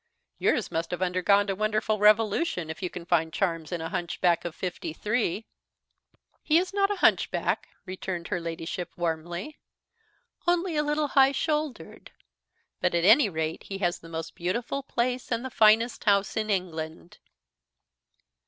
"Yours must have undergone a wonderful revolution, if you can find charms in a hunchback of fifty three." "He is not a hunchback," returned her Ladyship warmly; "only a little high shouldered; but at any rate he has the most beautiful place and the finest house in England."